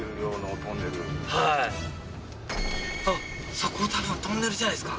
そこ多分トンネルじゃないですか？